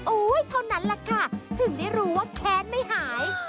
เท่านั้นแหละค่ะถึงได้รู้ว่าแค้นไม่หาย